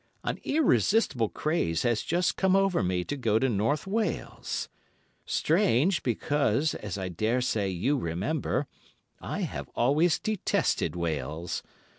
An irresistible craze has just come over me to go to North Wales. Strange, because, as I daresay you remember, I have always detested Wales.